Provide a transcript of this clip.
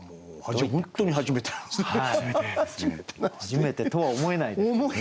初めてとは思えないですけどね。